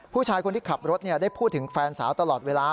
ผู้ชายคนที่ขับรถได้พูดถึงแฟนสาวตลอดเวลา